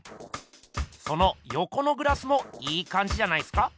そのよこのグラスもいいかんじじゃないっすか？